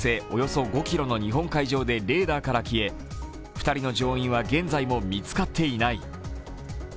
およそ５ｋｍの日本海上でレーダーから消え２人の乗員は現在も見つかっていない。